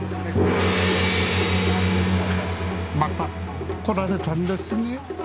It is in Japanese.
また来られたんですね。